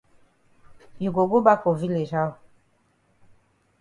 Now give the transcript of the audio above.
You go go bak for village how?